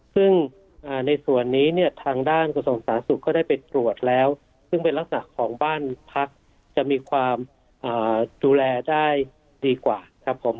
ซึ่งในส่วนนี้เนี่ยทางด้านกระทรวงสาธารณสุขก็ได้ไปตรวจแล้วซึ่งเป็นลักษณะของบ้านพักจะมีความดูแลได้ดีกว่าครับผม